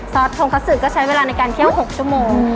ซอสทงคะซื้อก็ใช้เวลาในการเคี้ยว๖ชั่วโมง